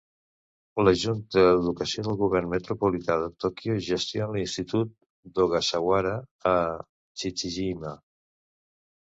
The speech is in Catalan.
La Junta d'Educació del Govern Metropolità de Tòquio gestiona l'institut d'Ogasawara a Chichijima.